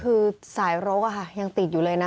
คือสายรกยังติดอยู่เลยนะ